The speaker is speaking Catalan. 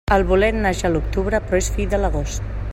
El bolet naix a l'octubre però és fill de l'agost.